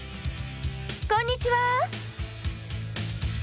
こんにちは！